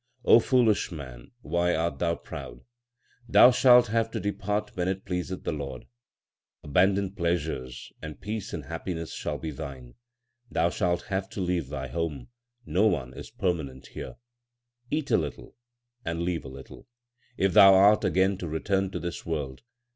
foolish man, why art thou proud ? Thou shalt have to depart when it pleaseth the Lord. Abandon pleasures, and peace and happiness shall be thine. Thou shalt have to leave thy home ; no one is permanent here. Eat a little and leave a little, If thou art again to return to this world.